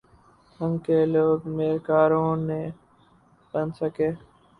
ڈھنگ کے لوگ میر کارواں نہ بن سکے۔